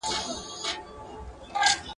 چي اوسیږي به پر کور د انسانانو ..